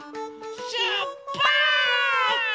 しゅっぱつ！